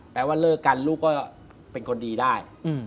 ว่าเลิกกันลูกก็เป็นคนดีได้